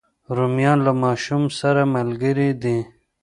رومیان له ماشوم سره ملګري دي